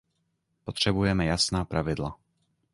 Potřebujeme jasná pravidla.